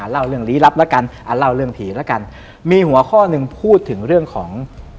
เล่าเรื่องลี้ลับแล้วกันเล่าเรื่องผีแล้วกันมีหัวข้อหนึ่งพูดถึงเรื่องของ